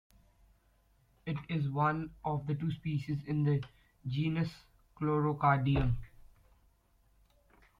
It is one of two species in the genus "Chlorocardium".